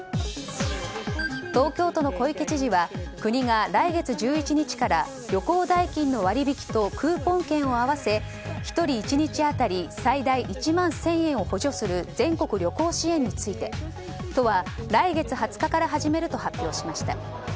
東京都の小池知事は国が来月１１日から旅行代金の割引とクーポン券を合わせ１人１日当たり最大１万１０００円を補助する全国旅行支援について都は、来月２０日から始めると発表しました。